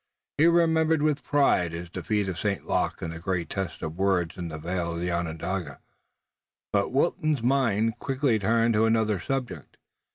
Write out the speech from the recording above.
He remembered with pride his defeat of St. Luc in the great test of words in the vale of Onondaga. But Wilton's mind quickly turned to another subject.